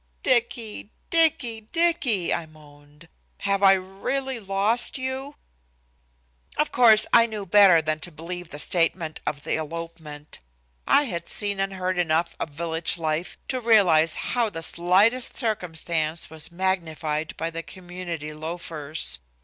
"Dicky! Dicky! Dicky!" I moaned. "Have I really lost you?" Of course I knew better than to believe the statement of the elopement. I had seen and heard enough of village life to realize how the slightest circumstance was magnified by the community loafers.